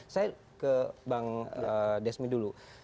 saya ke bang desmi dulu